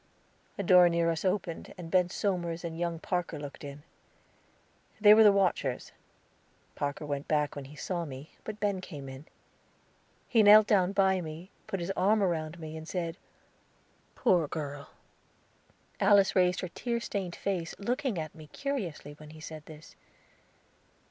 A door near us opened, and Ben Somers and young Parker looked in. They were the watchers. Parker went back when he saw me; but Ben came in. He knelt down by me, put his arm around me, and said, "Poor girl!" Alice raised her tear stained face, looking at me curiously, when he said this.